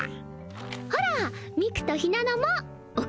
ほらミクとひなのもお